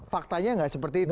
faktanya nggak seperti itu